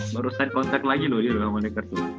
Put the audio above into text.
baru sign kontak lagi loh dia dengan manekertu